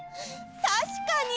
たしかに！